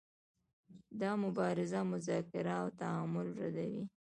دا مبارزه مذاکره او تعامل ردوي.